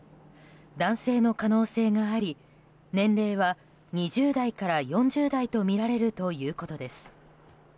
男性の可能性があり年齢は２０代から４０代とみられるということです。